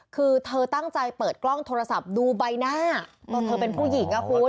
คือเธอตั้งใจเปิดกล้องโทรศัพท์ดูใบหน้าตอนเธอเป็นผู้หญิงอ่ะคุณ